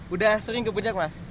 udah sering ke puncak mas